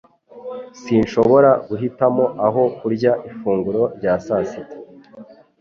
Sinshobora guhitamo aho kurya ifunguro rya sasita